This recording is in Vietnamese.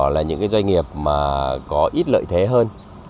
là những cái doanh nghiệp mà có ít lợi thế hơn